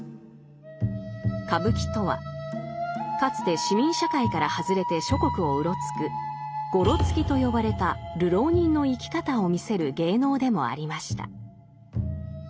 歌舞伎とはかつて市民社会から外れて諸国をうろつく「ごろつき」と呼ばれた流浪人の生き方を見せる芸能でもありました。